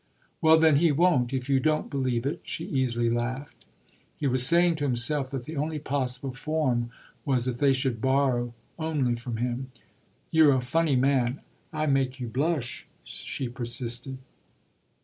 "Well then, he won't if you don't believe it!" she easily laughed. He was saying to himself that the only possible form was that they should borrow only from him. "You're a funny man. I make you blush," she persisted.